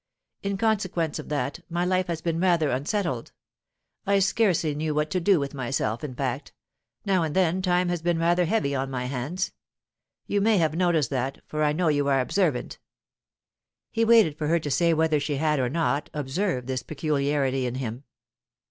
In consequence of that, my life has been rather unsettled; I scarcely knew what to do with myself, in fact; now and then time has been rather heavy on my hands. You may have noticed that, for I know you are observant." He waited for her to say whether she had or had not observed this peculiarity in him.